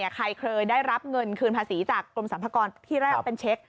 ใครเคยได้รับเงินคืนภาษีจากกรมสรรพากรที่แรกเป็นเช็ค